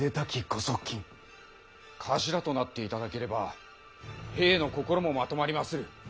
頭となっていただければ兵の心も纏まりまする。